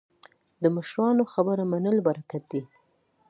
د مشرانو خبره منل برکت دی